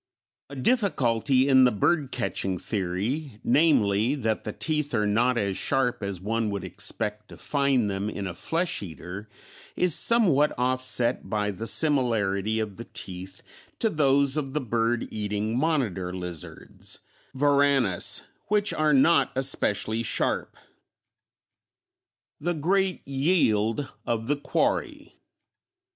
A difficulty in the bird catching theory, namely, that the teeth are not as sharp as one would expect to find them in a flesh eater, is somewhat offset by the similarity of the teeth to those of the bird eating monitor lizards (Varanus), which are not especially sharp. _The Great Yield of the Quarry.